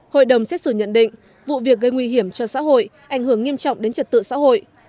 hội đồng xét xử nhận định vụ việc gây nguy hiểm cho xã hội ảnh hưởng nghiêm trọng đến trật tự xã hội